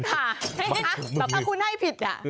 ถ้าคุณให้ผิด